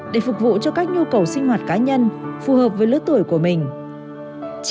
để phục vụ cho các nhu cầu sinh hoạt cá nhân phù hợp với lứa tuổi của mình